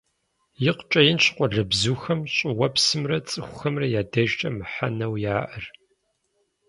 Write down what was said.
ИкъукӀэ инщ къуалэбзухэм щӀыуэпсымрэ цӀыхухэмрэ я дежкӀэ мыхьэнэуэ яӀэр.